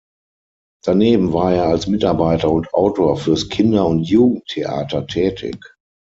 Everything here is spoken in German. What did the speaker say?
Daneben war er als Mitarbeiter und Autor fürs Kinder- und Jugendtheater tätig.